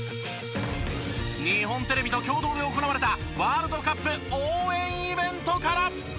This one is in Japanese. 日本テレビと共同で行われたワールドカップ応援イベントから。